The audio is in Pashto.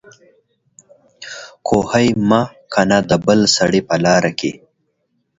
کوهي مه کنه د بل سړي په لار کې